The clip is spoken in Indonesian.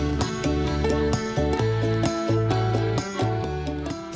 pukis di kota baru